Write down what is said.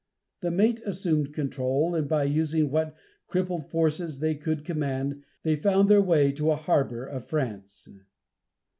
The mate assumed control, and by using what crippled forces they could command, they found their way to a harbor of France.